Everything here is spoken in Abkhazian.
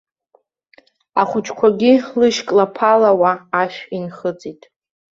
Ахәыҷқәагьы лышьклаԥалауа ашә инхыҵит.